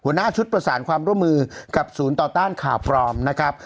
หัวหน้าชุดประสานความร่วมมือกับศูนย์ต่อต้านข่าวปลอมนะครับ